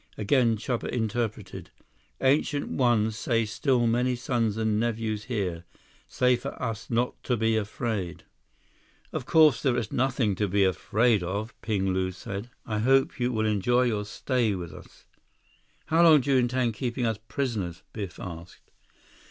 Again Chuba interpreted. "Ancient One say still many sons and nephews here. Say for us not to be afraid." "Of course there is nothing to be afraid of," Ping Lu said. "I hope you will enjoy your stay with us." "How long do you intend keeping us prisoners?" Biff asked.